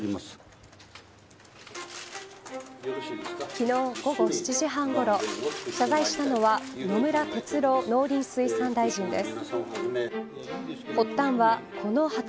昨日午後７時半ごろ謝罪したのは野村哲郎農林水産大臣です。